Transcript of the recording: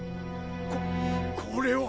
ここれは。